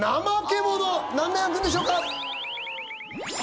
何面あくんでしょうか？